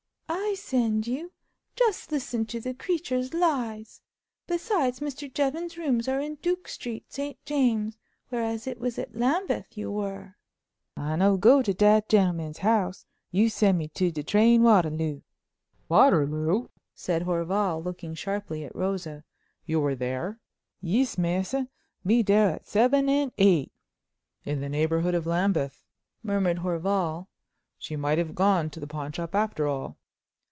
"I send you! Just listen to the creature's lies! Besides, Mr. Jevons's rooms are in Duke Street, St James's, whereas it was at Lambeth you were." "I no go to dat gem'man's house. You send me to de train Waterloo!" "Waterloo!" said Horval, looking sharply at Rosa. "You were there?" "Yis, masse; me dere at seven and eight." "In the neighbourhood of Lambeth," murmured Horval. "She might have gone to the pawn shop after all."